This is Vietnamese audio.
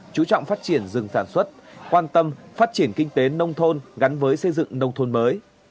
chú trọng phát triển rừng sản xuất quan tâm phát triển kinh tế nông thôn gắn với xây dựng nông thôn mới